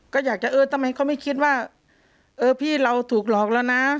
ก็อยากจะเออทำไมเขาไม่คิดว่าเออพี่เราถูกหลอกแล้วนะ